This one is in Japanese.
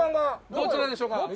どちらでしょうか？